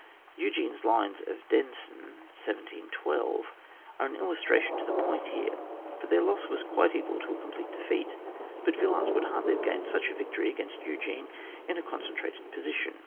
Eugene's lines of Denain, 1712, are an illustration to the point here, for their loss was quite equal to a complete defeat, but Yillars would hardly have gained such a victory against Eugene in a concentrated po sition.